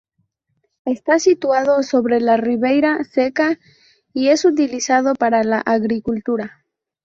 Está situado sobre la Ribeira Seca y es utilizado para la agricultura.